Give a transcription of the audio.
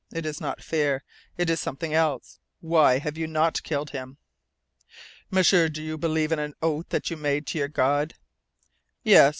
It is not fear. It is something else. Why have you not killed him?" "M'sieur, do you believe in an oath that you make to your God?" "Yes.